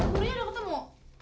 burunya ada ketemu